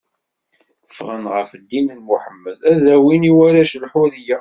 Ffɣen ɣef ddin n Muḥemmed, ad d-awin i warrac lḥuriya.